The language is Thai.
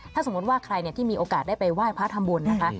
ถ้าสมมุติว่าใครที่มีโอกาสได้ไปไหว้พระทำบุญนะคะ